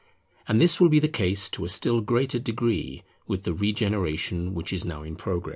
And this will be the case to a still greater degree with the regeneration which is now in progress.